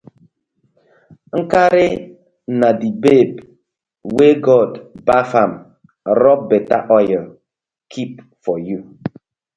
Nkari na di babe wey God baf am rob betta oil keep for yu.